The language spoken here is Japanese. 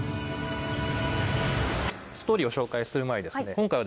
ストーリーを紹介する前に今回は。